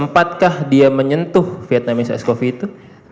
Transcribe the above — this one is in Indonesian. apakah dia menyentuh vietnamese s cov itu